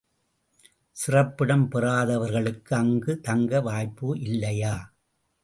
சிறப்பிடம் பெறாதவர்களுக்கு அங்குத் தங்க வாய்ப்பு இல்லையா?